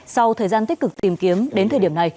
sau thời gian tích cực tìm kiếm đến thời điểm này